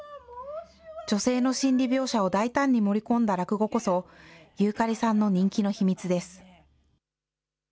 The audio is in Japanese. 女性の心理描写を大胆に盛り込んだ落語こそ、遊かりさんの人気の秘密です。